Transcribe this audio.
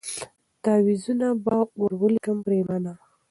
تعویذونه به ور ولیکم پرېمانه